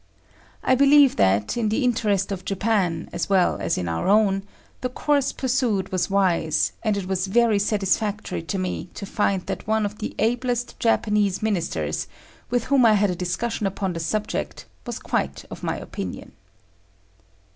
I believe that, in the interest of Japan as well as in our own, the course pursued was wise, and it was very satisfactory to me to find that one of the ablest Japanese ministers, with whom I had a discussion upon the subject, was quite of my opinion.